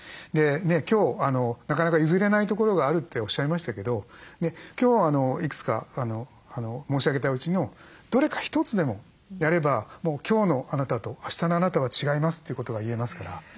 今日なかなか譲れないところがあるっておっしゃいましたけど今日いくつか申し上げたうちのどれか一つでもやれば今日のあなたとあしたのあなたは違いますってことが言えますから。